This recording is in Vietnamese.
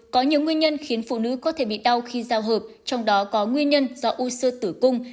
có nhiều nguyên nhân khiến phụ nữ có thể bị đau khi giao hợp trong đó có nguyên nhân do u sơ tử cung